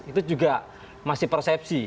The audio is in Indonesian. itu juga masih persepsi